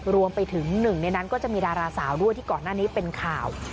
รวมไปถึงหนึ่งในนั้นก็จะมีดาราสาวด้วยที่ก่อนหน้านี้เป็นข่าว